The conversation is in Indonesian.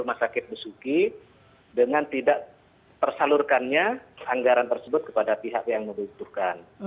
pertama kita percaya kepada anggaran yang diperlukan oleh rsud besuki dengan tidak tersalurkannya anggaran tersebut kepada pihak yang membutuhkan